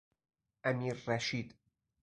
امیررشید